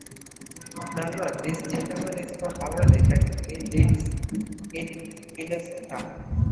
Nazma, this gentleman is from Bangladesh and he lives in Minnesota.